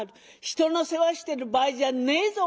「人の世話してる場合じゃねえぞ